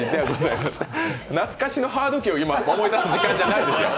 懐かしのハード機を思い出す時間じゃないです。